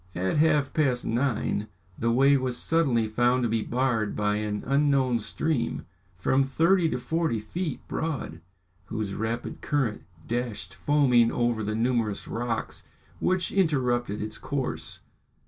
At half past nine the way was suddenly found to be barred by an unknown stream, from thirty to forty feet broad, whose rapid current dashed foaming over the numerous rocks which interrupted its course.